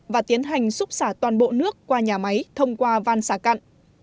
và tiến hành xúc xả toàn bộ nước qua nhà máy thông qua van xả cặn